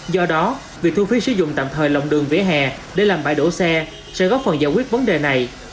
do đó việc thu phí sử dụng tạm thời lòng đường vỉa hè để làm bãi đổ xe sẽ góp phần giải quyết vấn đề này